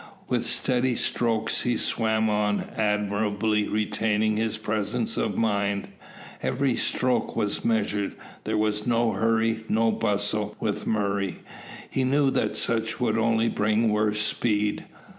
With steady strokes he swam on, admirably retaining his presence of mind. Every stroke was measured. There was no hurry, no bustle, with Murray; he knew that such would only bring worse speed.